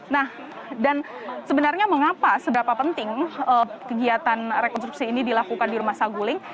nah dan sebenarnya mengapa seberapa penting kegiatan rekonstruksi ini dilakukan di rumah saguling